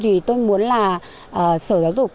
thì tôi muốn là sở giáo dục